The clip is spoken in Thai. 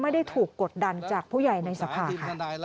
ไม่ได้ถูกกดดันจากผู้ใหญ่ในสภาค่ะ